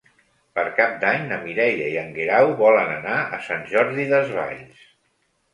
Per Cap d'Any na Mireia i en Guerau volen anar a Sant Jordi Desvalls.